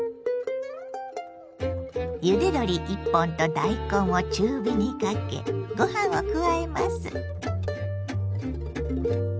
ゆで鶏１本と大根を中火にかけご飯を加えます。